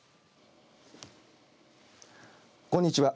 こんにちは。